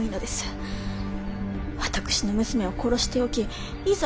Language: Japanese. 私の娘を殺しておきいざ